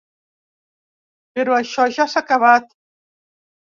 Però això ja s’ha acabat.